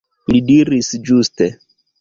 Li diris ĝuste.